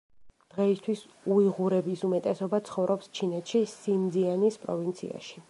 დღეისთვის უიღურების უმეტესობა ცხოვრობს ჩინეთში, სინძიანის პროვინციაში.